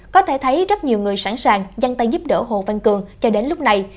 có thể thấy rất nhiều người sẵn sàng dăn tay giúp đỡ hồ văn cường cho đến lúc này